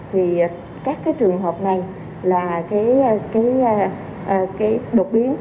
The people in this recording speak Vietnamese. thì các trường hợp này là cái biến thể của cái giải mã trình tự gen của nó đó là chính virus satovi là delta